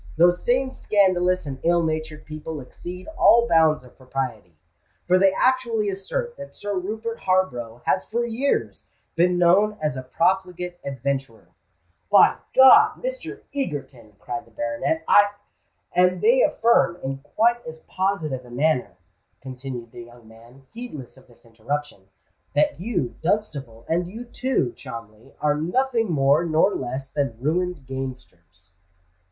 Those same scandalous and ill natured people exceed all bounds of propriety; for they actually assert that Sir Rupert Harborough has for years been known as a profligate adventurer——" "By God, Mr. Egerton!" cried the baronet: "I——" "And they affirm in quite as positive a manner," continued the young man, heedless of this interruption, "that you, Dunstable, and you too, Cholmondeley, are nothing more nor less than ruined gamesters."